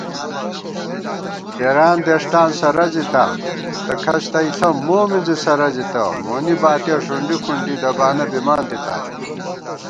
دېران دېݭٹان سرَزِتا، تہ کھس تئیݪہ مو مِنزی سرَزِتہ * مونی باتِیَہ ݭُنڈی فُنڈی دبانہ بِمان تِتا